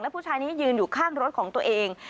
ผู้ชายนี้ยืนอยู่ข้างรถของตัวเอง